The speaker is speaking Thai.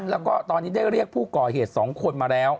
แล้วก็ตอนนี้ได้เรียกผู้ก่อเหตุ๒คนมาแล้ว